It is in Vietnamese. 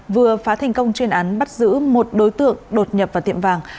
vừa phá thành công chuyên án bắt giữ một đối tượng đột nhập vào tiệm vàng